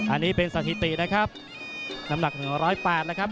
อันนี้เป็นสถิตินะครับน้ำหนักหนึ่งร้อยแปดนะครับ